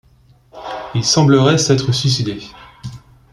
Il semblerait s'être suicidé.